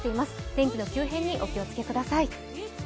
天気の急変にお気をつけください。